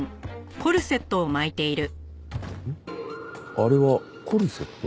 あれはコルセット？